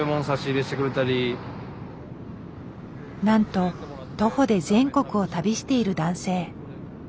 なんと徒歩で全国を旅している男性。